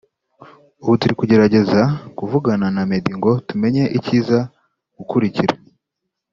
Ubu turi kugerageza kuvugana na Meddy ngo tumenya ikiza gukurikira